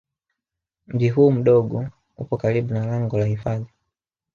Mji huu mdogo upo karibu na lango la hifadhi